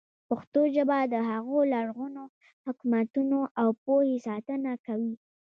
پښتو ژبه د هغو لرغونو حکمتونو او پوهې ساتنه کوي.